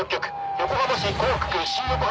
横浜市港北区新横浜